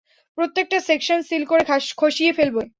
প্রত্যেকটা section seal করে খসিয়ে ফেলবে।